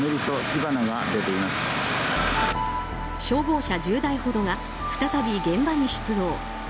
消防車１０台ほどが再び現場に出動。